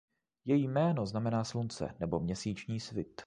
Její jméno znamená slunce nebo měsíční svit.